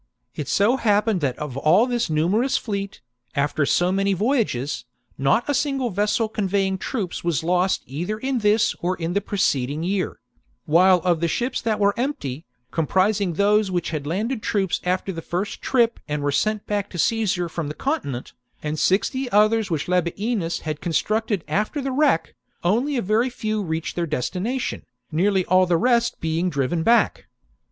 It so happened that of all this numerous fleet, after so many voyages, not a single vessel conveying troops was lost either in this or in the preceding year ; while of the ships that were empty, comprising those which had landed troops after the first trip and were sent back to Caesar from the continent, and V OF BRITAIN 143 sixty others which Labienus had constructed after 54 b.c. the wreck, only a very few reached their destina tion, nearly all the rest being driven back.